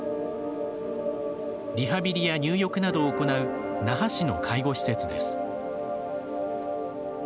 リハビリや入浴などを行う那覇市の介護施設です。